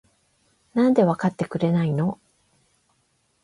なんでわかってくれないの？？